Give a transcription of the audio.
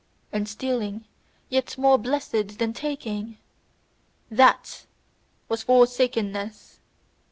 And stealing yet more blessed than taking?' THAT was forsakenness!